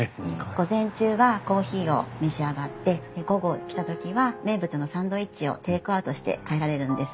午前中はコーヒーを召し上がって午後来た時は名物のサンドイッチをテイクアウトして帰られるんです。